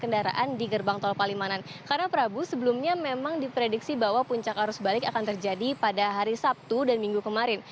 diprediksi bahwa puncak arus balik akan terjadi pada hari sabtu dan minggu kemarin